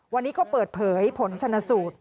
วันนี้ก็เปิดเผยผลชนสูตร